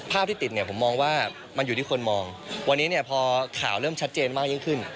ที่ติดเนี่ยผมมองว่ามันอยู่ที่คนมองวันนี้เนี่ยพอข่าวเริ่มชัดเจนมากยิ่งขึ้น